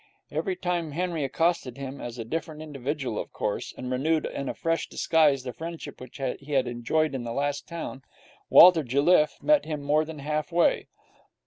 Every time Henry accosted him as a different individual, of course and renewed in a fresh disguise the friendship which he had enjoyed at the last town, Walter Jelliffe met him more than half way.